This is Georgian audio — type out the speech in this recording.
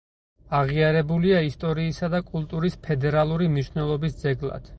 აღიარებულია ისტორიისა და კულტურის ფედერალური მნიშვნელობის ძეგლად.